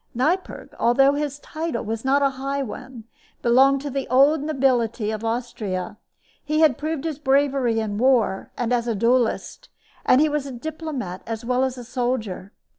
Neipperg, though his title was not a high one, belonged to the old nobility of Austria. He had proved his bravery in war and as a duelist, and he was a diplomat as well as a soldier.